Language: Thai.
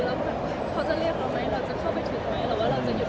แล้วเขาจะเรียกเราไหมเราจะเข้าไปถึงไหม